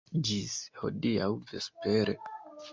Ĝis hodiaŭ vespere!